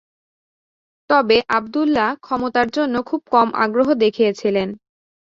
তবে আবদুল্লাহ ক্ষমতার জন্য খুব কম আগ্রহ দেখিয়েছিলেন।